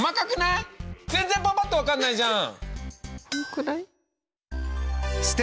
全然パパっと分かんないじゃん！